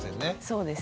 そうですね。